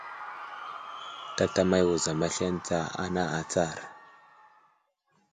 Tatamay wuzam aslane tsa ana atsar !